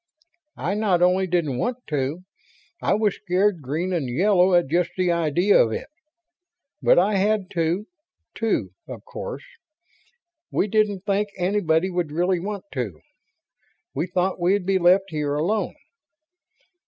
I not only didn't want to, I was scared green and yellow at just the idea of it. But I had to, too, of course. We didn't think anybody would really want to. We thought we'd be left here alone.